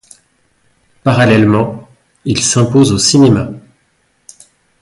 Parallèlement, il s'impose au cinéma.